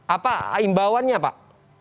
apa imbauannya pak